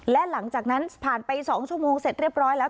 และหลังจากนั้นผ่านไป๒ชั่วโมงเสร็จเรียบร้อยแล้ว